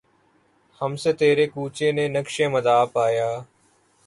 ہم سے تیرے کوچے نے نقش مدعا پایا